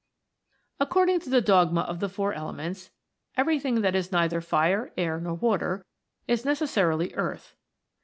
According to the dogma of the Four Elements, everything that is neither fire, air, nor water, is ne cessarily earth.